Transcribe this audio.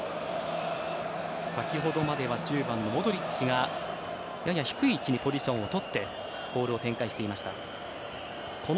先ほどまでは１０番のモドリッチがやや低いポジションをとってボールを展開していました。